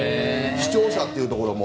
視聴者というところも。